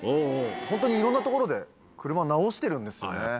ホントにいろんな所で車を直してるんですよね。